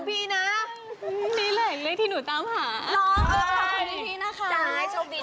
บางคืนทางนี้ต่อ